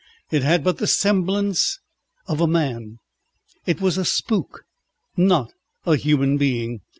It had but the semblance of a man. It was a spook, not a human being.